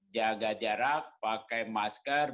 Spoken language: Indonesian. jaga jarak pakai masker